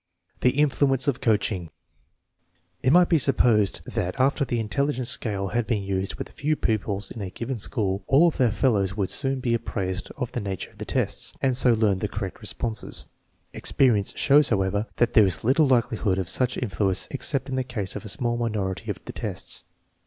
The influence of coaching. It might be supposed that after the intelligence scale had been used with a few pupils in a given school all of their fellows would soon be apprised of the nature of the tests, and so learn the correct responses.. Experience shows, however, that there is little likelihood of such influence except in the case of a small minority of the tests.